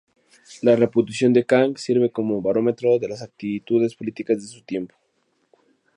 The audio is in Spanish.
La reputación de Kang sirve como barómetro de las actitudes políticas de su tiempo.